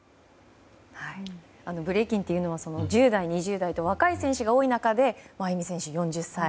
ブレイキンというのは１０代、２０代と若い選手が多い中でＡＹＵＭＩ選手、４０歳。